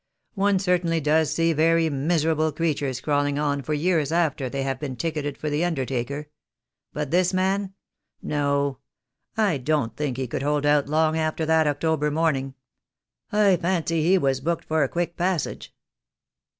One certainly does see very miserable creatures crawling on for years after they have been ticketed for the under taker— but this man — no — I don't think he could hold out long after that October morning. I fancy he was booked for a quick passage."